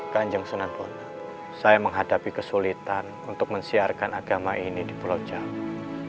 kanjeng senantono saya menghadapi kesulitan untuk mensiarkan agama ini di pulau jawa